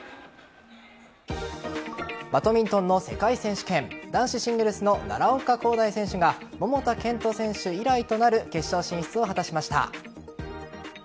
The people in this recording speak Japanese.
バドミントンの世界選手権男子シングルスの奈良岡功大選手が桃田賢斗選手以来となる決勝進出を果たしました。